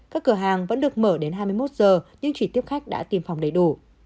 các cửa hàng vẫn được mở đến hai mươi một giờ nhưng chỉ tiếp khách đã tiêm phòng đầy đủ